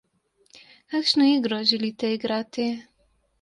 Kakšno igro želite igrati?